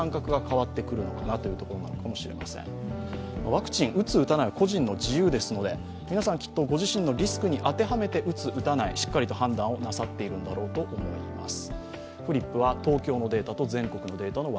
ワクチン、打つ、打たないは個人の自由ですので皆さんきっとご自身のリスクに当てはめて打つ、打たない、しっかりと判断をなさっているんだろうと思います。